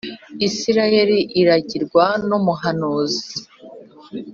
Israheli iragirwa n’umuhanuzi.